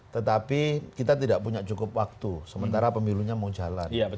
tetapi kita tidak punya cukup waktu sementara pemilunya mau jalan